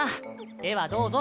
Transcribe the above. ではどうぞ。